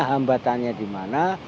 hambatannya di mana